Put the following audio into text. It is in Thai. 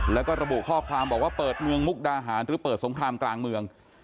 แล้วก็ระบุข้อความบอกว่าเปิดเมืองมุกดาหารหรือเปิดสงครามกลางเมือง